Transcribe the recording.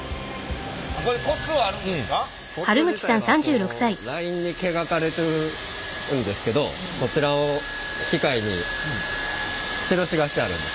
コツ自体はラインに描かれてるんですけどコチラを機械に印がしてあるんです。